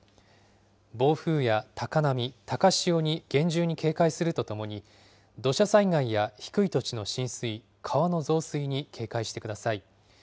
暴風や高波、高潮に厳重に警戒するとともに、土砂災害や低い土地の浸水、川の増水に警戒してください。